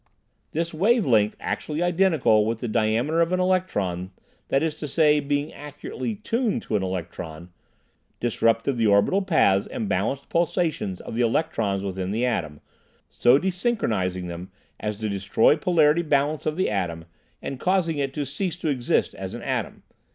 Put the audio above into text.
This wave length, actually identical with the diameter of an electron, that is to say, being accurately "tuned" to an electron, disrupted the orbital paths and balanced pulsations of the electrons within the atom, so desynchronizing them as to destroy polarity balance of the atom and causing it to cease to exist as an atom.